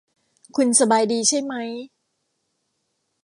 คุณสบายดีใช่มั้ย ?